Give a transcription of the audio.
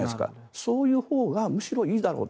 そういうほうがむしろいいだろうと。